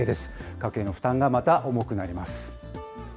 家計への負担がまた重くなります。